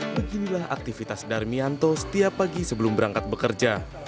beginilah aktivitas darmianto setiap pagi sebelum berangkat bekerja